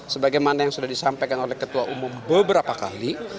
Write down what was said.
sebagaimana yang sudah disampaikan oleh ketua umum beberapa kali